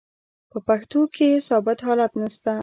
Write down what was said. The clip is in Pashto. په پښتو کښي ثابت حالت نسته.